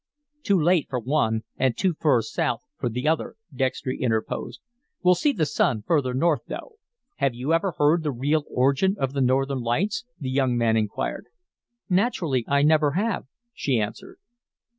"Too late for one an' too fur south for the other," Dextry interposed. "We'll see the sun further north, though." "Have you ever heard the real origin of the Northern Lights?" the young man inquired. "Naturally, I never have," she answered.